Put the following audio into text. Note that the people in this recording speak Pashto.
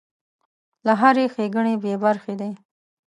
له هرې ښېګڼې بې برخې دی.